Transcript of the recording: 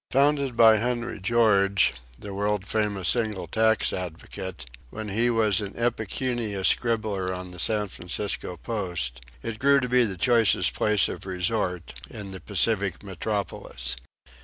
Founded by Henry George, the world famous single tax advocate, when he was an impecunious scribbler on the San Francisco Post, it grew to be the choicest place of resort in the Pacific metropolis.